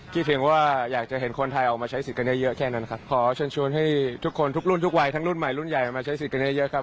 เพียงว่าอยากจะเห็นคนไทยออกมาใช้สิทธิ์กันเยอะเยอะแค่นั้นครับขอเชิญชวนให้ทุกคนทุกรุ่นทุกวัยทั้งรุ่นใหม่รุ่นใหญ่มาใช้สิทธิ์เยอะเยอะครับ